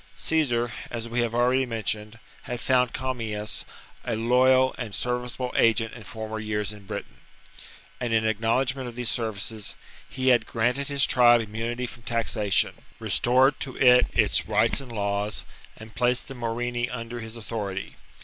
Caesar, as we have already mentioned, had found Commius a loyal and serviceable agent in former years in Britain ; and, in acknowledgment of these services, he had granted his tribe im munity from taxation, restored to it its rights and laws, and placed the Morini under his authority.